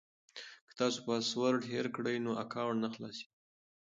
که تاسو پاسورډ هېر کړئ نو اکاونټ نه خلاصیږي.